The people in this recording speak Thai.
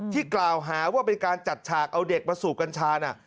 ที่กล่าวหาว่าเป็นการจัดฉากเอาเด็กมาสูบกัญชาน่ะ